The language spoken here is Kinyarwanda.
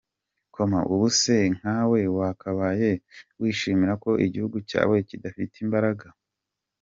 Comment: Ubu se nkawe wakabaye wishimira ko igihugu cyawe kidafite imbaraga?